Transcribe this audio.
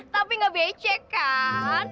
tapi gak becek kan